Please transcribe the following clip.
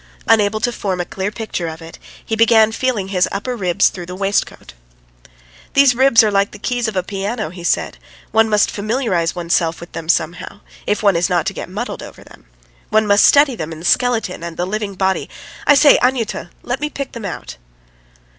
Unable to form a clear picture of it, he began feeling his upper ribs through his waistcoat. "These ribs are like the keys of a piano," he said. "One must familiarise oneself with them somehow, if one is not to get muddled over them. One must study them in the skeleton and the living body .... I say, Anyuta, let me pick them out."